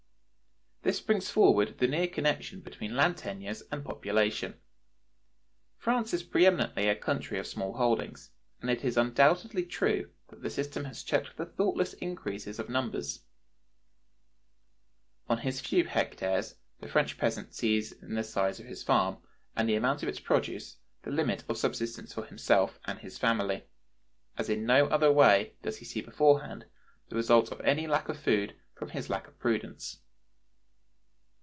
This brings forward the near connection between land tenures and population. France is pre eminently a country of small holdings, and it is undoubtedly true that the system has checked the thoughtless increase of numbers. On his few hectares, the French peasant sees in the size of his farm and the amount of its produce the limit of subsistence for himself and his family; as in no other way does he see beforehand the results of any lack of food from his lack of prudence.